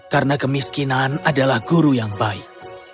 karena kemiskinan adalah guru yang baik